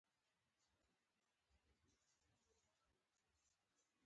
ماته ډیر مه ګوره